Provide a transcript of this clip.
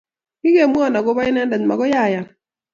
kigenwawoon agoba inendet magoi ayan